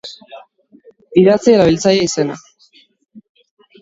Idatzi erabiltzaile izena.